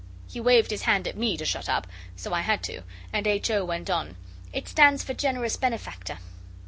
He waved his hand at me to shut up, so I had to, and H. O. went on 'It stands for Generous Benefactor.